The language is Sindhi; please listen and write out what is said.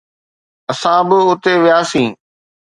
اسان به اتي وياسين.